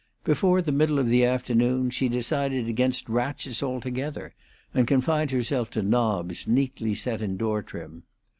Before the middle of the afternoon she decided against ratchets altogether, and confined herself to knobs, neatly set in the door trim.